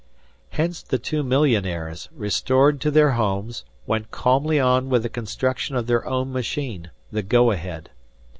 Hence the two millionaires, restored to their homes, went calmly on with the construction of their own machine, the "Go Ahead."